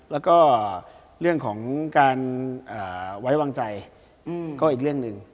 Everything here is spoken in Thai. แล้วก็เรื่องของการไว้วางใจก็อีกเรื่องหนึ่ง